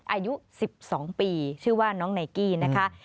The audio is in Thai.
อายุ๑๒ปีชื่อว่าน้องไนกี้นะคะ